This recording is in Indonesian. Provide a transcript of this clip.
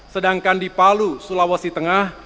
sedangkan di palu sulawesi tengah